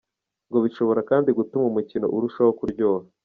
Ngo bishobora kandi gutuma umukino urushaho kuryoha.